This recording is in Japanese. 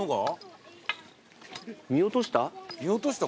見落とした？